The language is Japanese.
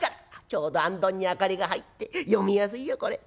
ちょうどあんどんに明かりが入って読みやすいよこれ。